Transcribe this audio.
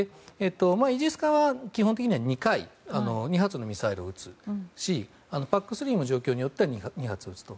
イージス艦は基本的には２回２発のミサイルを撃つしＰＡＣ３も状況によっては２発撃つと。